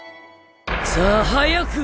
さあ早く！